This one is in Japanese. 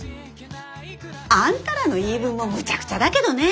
あんたらの言い分もむちゃくちゃだけどね。